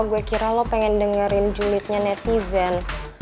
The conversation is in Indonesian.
gue kira lo pengen dengerin julidnya netizen